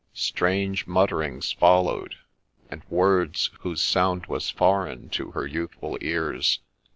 Strange mutterings followed, and words whose sound was foreign to her youthful ears.